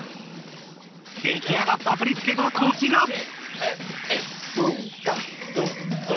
できあがった振付がこちら。